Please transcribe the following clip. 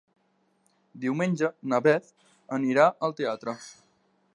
Diumenge na Beth anirà al teatre.